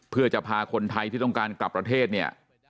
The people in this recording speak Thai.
เพื่อจะพาคนไทยที่ต้องการกลับประเทศเนี่ย